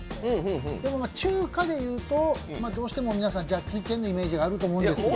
でも、中華で言うと、皆さんどうしてもジャッキー・チェンのイメージがあると思うんですけど。